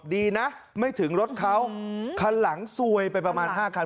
ดีนะไม่ถึงรถเขาคันหลังซวยไปประมาณ๕คัน